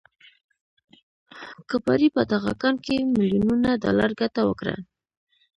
کباړي په دغه کان کې ميليونونه ډالر ګټه وكړه.